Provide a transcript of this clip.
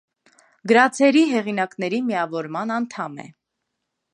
Գրացերի հեղինակների միավորման անդամ է։